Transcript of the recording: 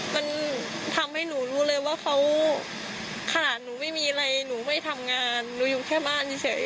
มันทำให้หนูรู้เลยว่าเขาขนาดหนูไม่มีอะไรหนูไม่ทำงานหนูอยู่แค่บ้านเฉย